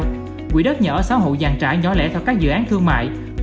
những nhà đất nhỏ xã hội dàn trải nhỏ lẻ theo các dự án thương mại